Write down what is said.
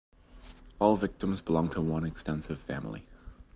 All victims belong to one extensive family.